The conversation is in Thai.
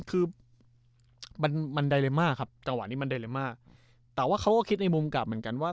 คือมันมันครับจังหวะนี้มันแต่ว่าเขาก็คิดในมุมกลับเหมือนกันว่า